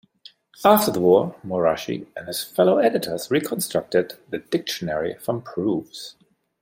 After the war, Morohashi and his fellow editors reconstructed the dictionary from proofs.